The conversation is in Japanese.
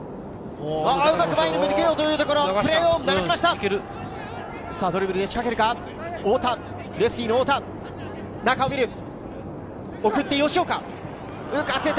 うまく前に抜けようというところ、笛を鳴らしません。